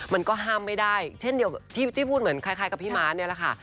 มันก็ห้ามไม่ได้เช่นเดียวที่พูดเหมือนคล้ายกับพี่ม้าเนี่ยแหละค่ะ